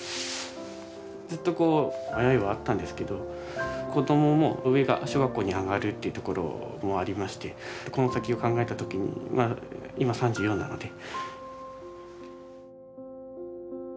ずっとこう迷いはあったんですけど子どもも上が小学校に上がるっていうところもありましてこの先を考えた時にまあ今３４なので。